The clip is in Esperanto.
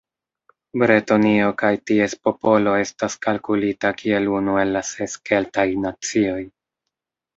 Bretonio kaj ties popolo estas kalkulita kiel unu el la ses Keltaj nacioj.